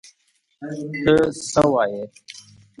ته څه وایې!؟